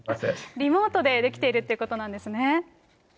リモートでできているということなんですね。